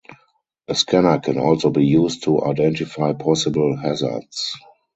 A scanner can also be used to identify possible hazards.